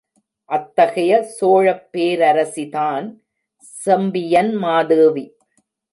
அத்தகைய சோழப் பேரரசிதான் செம்பியன்மாதேவி.